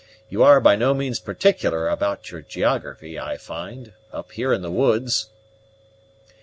You are by no means particular about your geography, I find, up here in the woods."